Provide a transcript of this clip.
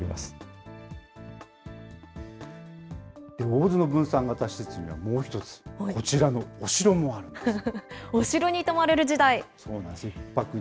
大洲の分散型施設には、もう１つ、こちらのお城もあるんです。